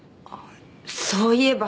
そういえば。